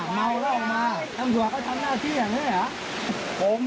อย่าแสดงทำกับผู้ที่คนที่ยืน